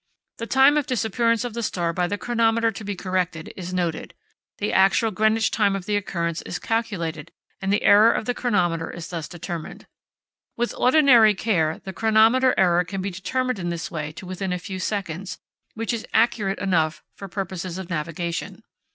The time of disappearance of the star by the chronometer to be corrected is noted. The actual Greenwich time of the occurrence is calculated, and the error of the chronometer is thus determined. With ordinary care the chronometer error can be determined in this way to within a few seconds, which is accurate enough for purposes of navigation.